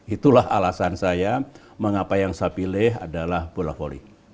itulah alasan saya mengapa yang saya pilih adalah bola voli